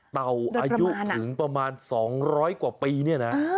เต่าอายุถึงประมาณ๒๐๐กว่าปีเนี่ยนะ